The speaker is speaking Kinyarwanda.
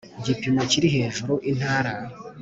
gipimo kiri hejuru Intara